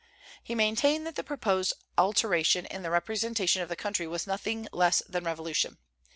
He maintained that the proposed alteration in the representation of the country was nothing less than revolution.